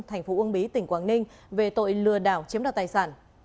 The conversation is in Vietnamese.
thành phố uông bí tỉnh quảng ninh về tội lừa đảo chiếm đoạt tài sản